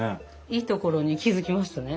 いいところに気付きましたね！